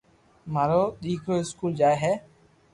مارو دآڪرو اسڪول جائي ھي